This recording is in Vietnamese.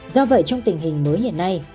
do vậy trong tình hình mới hiện nay